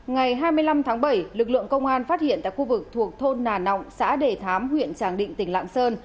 ngày hai mươi năm tháng bảy lực lượng công an phát hiện tại khu vực thuộc thôn nà nọng xã đề thám huyện tràng định tỉnh lạng sơn